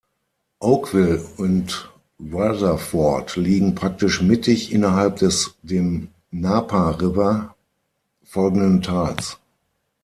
Oakville und Rutherford liegen praktisch mittig innerhalb des dem Napa River folgenden Tals.